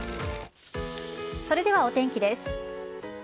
それではお天気です。